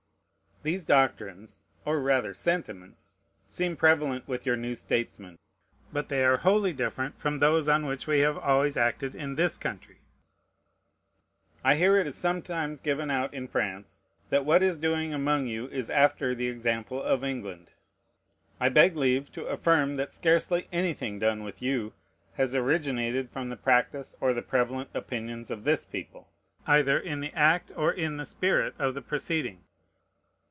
These doctrines, or rather sentiments, seem prevalent with your new statesmen. But they are wholly different from those on which we have always acted in this country. I hear it is sometimes given out in France, that what is doing among you is after the example of England. I beg leave to affirm that scarcely anything done with you has originated from the practice or the prevalent opinions of this people, either in the act or in the spirit of the proceeding.